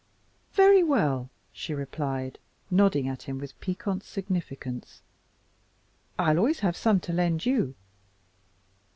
"Very well," she replied, nodding at him with piquant significance, "I'll always have some to lend you."